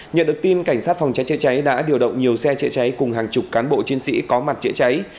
nhận được tin cảnh sát phòng cháy chế cháy đã điều động nhiều xe chế cháy cùng hàng chục cán bộ chiến sĩ có mặt chế cháy